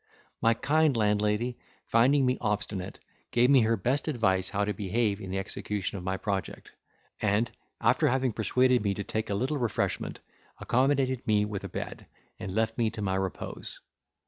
My kind landlady, finding me obstinate, gave me her best advice how to behave in the execution of my project: and after having persuaded me to take a little refreshment, accommodated me with a bed, and left me to my repose.